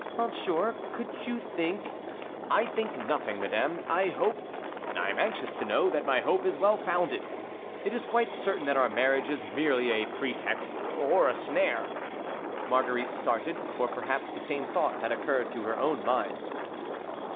"Monsieur, could you think—" "I think nothing, Madame; I hope, and I am anxious to know that my hope is well founded. It is quite certain that our marriage is merely a pretext or a snare." Marguerite started, for perhaps the same thought had occurred to her own mind.